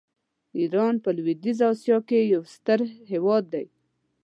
ایران په لویدیځه آسیا کې یو ستر هېواد دی.